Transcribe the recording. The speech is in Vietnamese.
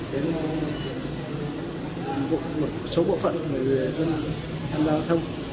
đến một số bộ phận người dân tham gia giao thông